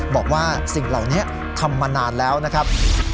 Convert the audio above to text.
บอกว่าสิ่งเหล่านี้ทำมานานแล้วนะครับ